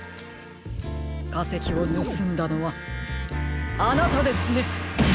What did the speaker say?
かせきをぬすんだのはあなたですね！